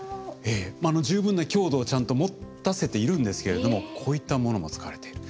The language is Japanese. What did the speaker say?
十分な強度をちゃんと持たせているんですけれどもこういったものも使われている。